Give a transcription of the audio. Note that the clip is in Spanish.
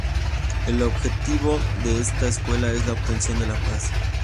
El objetivo de esta escuela es la obtención de la paz.